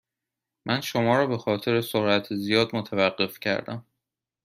من شما را به خاطر سرعت زیاد متوقف کردم.